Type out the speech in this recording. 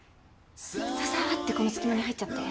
ささってこの隙間に入っちゃって。